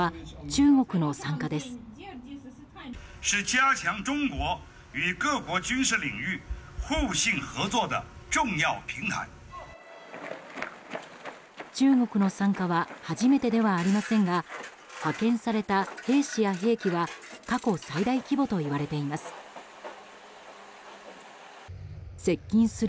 中国の参加は初めてではありませんが派遣された兵士や兵器は過去最大規模といわれています。